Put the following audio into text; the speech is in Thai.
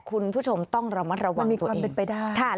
คุณผู้ชมต้องระมัดระวังตัวเอง